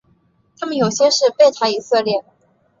他们有些是贝塔以色列。